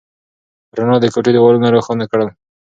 رڼا د کوټې دیوالونه روښانه کړل.